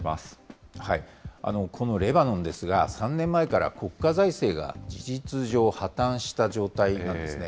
このレバノンですが、３年前から国家財政が事実上、破綻した状態なんですね。